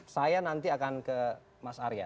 saya nanti akan ke mas arya